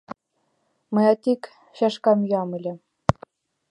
Мыят ик чашкам йӱам ыле.